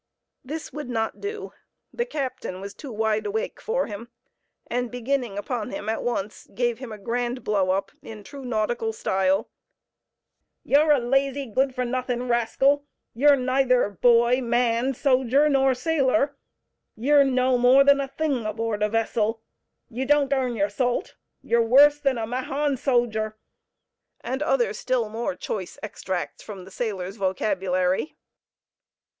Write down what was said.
This would not do. The captain was too "wide awake" for him, and beginning upon him at once, gave him a grand blow up, in true nautical style—"You're a lazy good for nothing rascal; you're neither man, boy, soger, nor sailor! you're no more than a thing aboard a vessel! you don't earn your salt! you're worse than a Mahon soger!" and other still more choice extracts from the sailor's vocabulary.